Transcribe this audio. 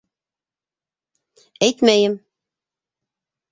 Әйтмәйем.